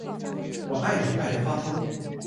我爱你爱的发疯